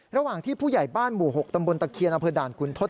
ระหว่างที่ผู้ใหญ่บ้านหมู่๖ตำบลตะเคียนอคุณทศ